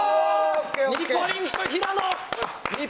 ２ポイント、平野！